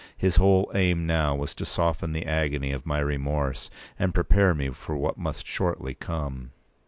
His whole aim now was to soften the agony of my remorse, and prepare me for what must shortly come.